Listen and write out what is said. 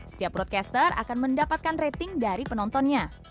setiap broadcaster akan mendapatkan rating dari penontonnya